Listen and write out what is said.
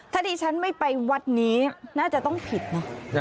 ถ้าดิฉันไม่ไปวัดนี้น่าจะต้องผิดนะ